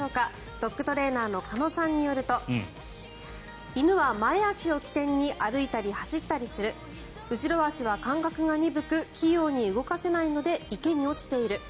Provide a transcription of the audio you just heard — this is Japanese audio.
ドッグトレーナーの鹿野さんによると犬は前足を基点に歩いたり走ったりする後ろ足は感覚が鈍く器用に動かせないので池に落ちている。